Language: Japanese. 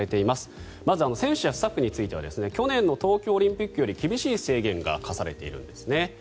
まず選手やスタッフについては去年の東京オリンピックより厳しい制限が課されているんです。